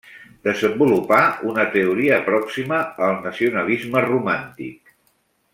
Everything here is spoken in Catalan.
Desenvolupà una teoria pròxima al nacionalisme romàntic.